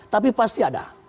tapi pasti ada